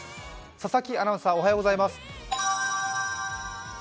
佐々木アナウンサーおはようございます。